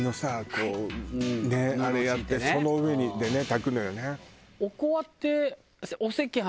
こうあれやってその上で炊くのよね。